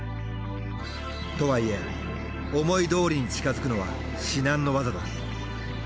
とはいえ思いどおりに近づくのは至難の業だ。